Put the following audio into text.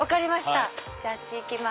じゃああっち行きます。